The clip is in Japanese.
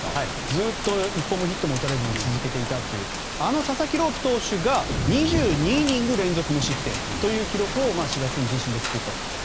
ずっと１本もヒットを打たれずに続けたというあの佐々木朗希投手が２２イニング連続無失点の記録を４月に作ったと。